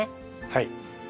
はい。